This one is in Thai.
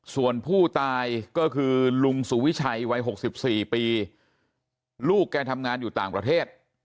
ส่วนผู้ตายก็คือลุงสุวิชัยวัย๖๔ปีลูกแกทำงานอยู่ต่างประเทศ